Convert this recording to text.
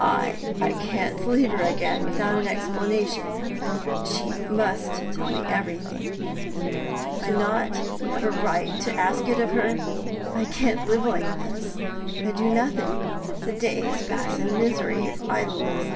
'I can't leave her again without an explanation. She must tell me everything. Have I not a right to ask it of her? I can't live on like this; I do nothing. The days pass in misery of idleness.